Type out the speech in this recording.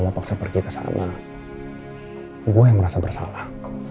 gak bisa pergi ke sana gue yang merasa bersalah